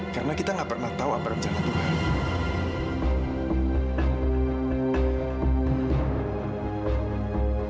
karena kita tidak pernah tahu apa rencana tuhan